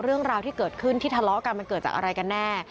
เรื่องราวที่เกิดขึ้นที่ทะเลาะกันมันเกิดจากอะไรกันแน่